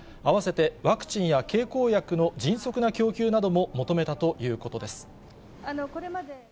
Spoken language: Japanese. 合わせてワクチンや経口薬の迅速な供給なども求めたということです。